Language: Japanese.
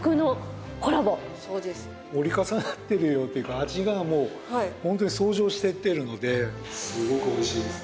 折り重なってるよっていうか味がもうホントに相乗していってるのですごく美味しいです。